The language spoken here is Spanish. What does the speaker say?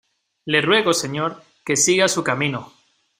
le ruego, señor , que siga su camino.